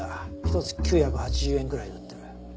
一つ９８０円ぐらいで売ってる。